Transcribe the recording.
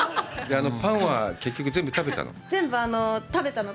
パンは結局全部食べたの？